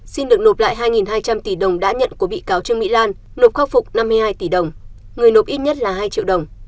xin được nộp lại hai hai trăm linh tỷ đồng đã nhận của bị cáo trương mỹ lan nộp khắc phục năm mươi hai tỷ đồng người nộp ít nhất là hai triệu đồng